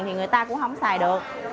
thì người ta cũng không xài được